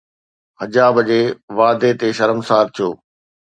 حجاب جي واعدي تي شرمسار ٿيو